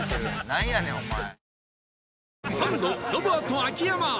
なんやねんお前。